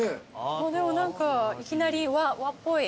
でもいきなり和っぽい。